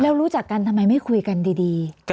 แล้วรู้จักกันทำไมไม่คุยกันดี